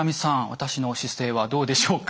私の姿勢はどうでしょうか？